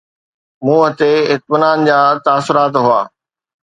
منهن تي اطمينان جا تاثرات هئا